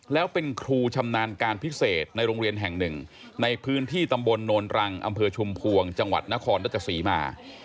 แล้วเป็นครูชำนาญการพิเศษในโรงเรียนแห่งหนึ่งในพื้นที่ตำบลโนนรังอำเภอชุมพวงจังหวัดนครรัชศรีมา